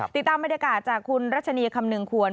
ติดตามบรรยากาศจากคุณรัชนีคำนึงควร